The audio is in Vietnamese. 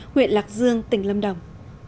huyện lạc dương tỉnh lâm đồng